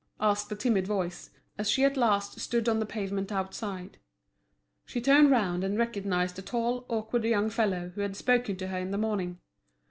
asked a timid voice, as she at last stood on the pavement outside. She turned round and recognised the tall, awkward young fellow who had spoken to her in the morning.